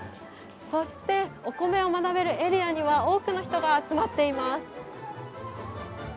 そして、お米を学べるエリアには多くの人が集まっています。